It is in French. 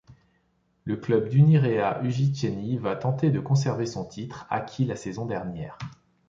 Le club d'Unirea Urziceni va tenter de conserver son titre, acquis la saison dernière.